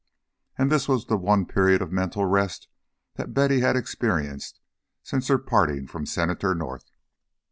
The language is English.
And this was the one period of mental rest that Betty had experienced since her parting from Senator North.